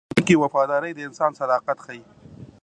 د پیرودونکي وفاداري د انسان صداقت ښيي.